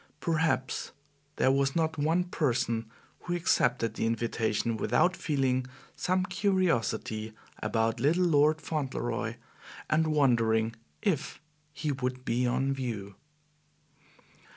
Perhaps there was not one person who accepted the invitation without feeling some curiosity about little Lord Fauntleroy, and wondering if he would be on view.